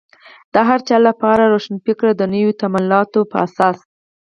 د هر چا لپاره روښانفکري د نویو تمایلاتو په اساس.